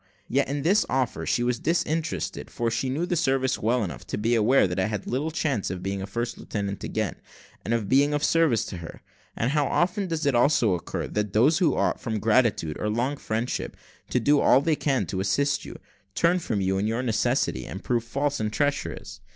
Yet in this offer she was disinterested, for she knew the service well enough to be aware that I had little chance of being a first lieutenant again, and of being of service to her. And how often does it also occur, that those who ought, from gratitude or long friendship, to do all they can to assist you, turn from you in your necessity, and prove false and treacherous!